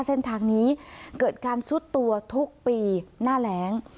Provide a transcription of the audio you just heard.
เส้นทางนี้เกิดการซุดตัวทุกปีหน้าแรง